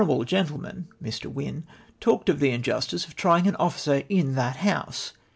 "The lion, gentleman (Mi\ Wynne) talked of the injustice of trying an officer in that House !